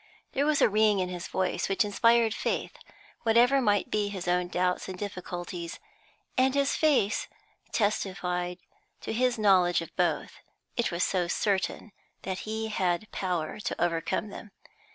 There was a ring in his voice which inspired faith; whatever might be his own doubts and difficulties and his face testified to his knowledge of both it was so certain that he had power to overcome them.